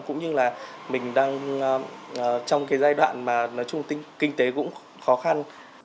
cũng như là mình đang trong cái giai đoạn mà nói chung kinh tế cũng khó khăn